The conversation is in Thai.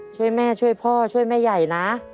ช่วยแม่ช่วยพ่อช่วยแม่ใหญ่นะ